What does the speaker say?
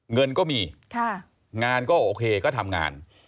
เงินก็มีงานก็โอเคก็ทำงาน